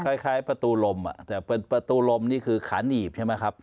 คล้ายประตูลมแต่ประตูลมนี่คือขาหนีบใช่ไหมครับ